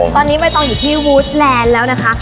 ตอนนี้ใบตองอยู่ที่วูสแลนด์แล้วนะคะ